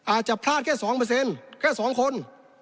อาจจะพลาดแค่๒แค่๒คน